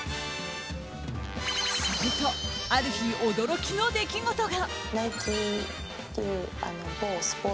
すると、ある日驚きの出来事が。